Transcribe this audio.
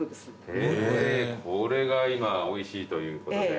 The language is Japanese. これが今おいしいということで。